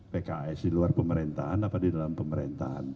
pks di luar pemerintahan apa di dalam pemerintahan